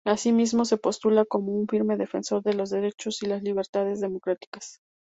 Asimismo, se postula como un firme defensor de los derechos y las libertades democráticas.